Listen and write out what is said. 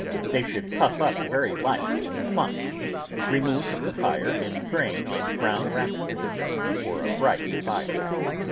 They should puff up very light and plump. Remove from the fire and drain on brown wi'apping paper before a bright fire.